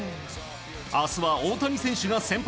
明日は大谷選手が先発。